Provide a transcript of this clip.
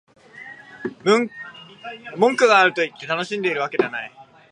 文句があるからといって、楽しんでないわけではない